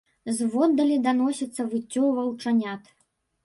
Зводдалі даносіцца выццё ваўчанят.